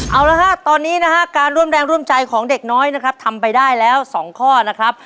เอาละฮะตอนนี้นะฮะการร่วมแรงร่วมใจของเด็กน้อยนะครับทำไปได้แล้ว๒ข้อนะครับ